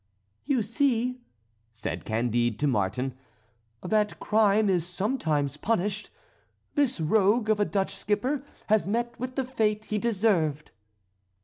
"You see," said Candide to Martin, "that crime is sometimes punished. This rogue of a Dutch skipper has met with the fate he deserved."